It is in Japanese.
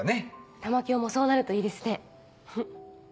玉響もそうなるといいですね。